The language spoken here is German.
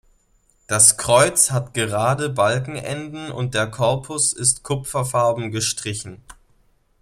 Das Kreuz hat gerade Balkenenden, und der Korpus ist kupferfarben gestrichen.